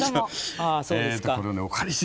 ああそうですか。